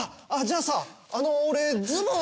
あさあの俺ズボン